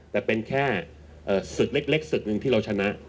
แต่เป็นแค่ศึกเล็กศึกหนึ่งที่เราชนะ